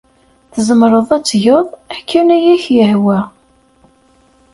Tzemreḍ ad tgeḍ akken ay ak-yehwa.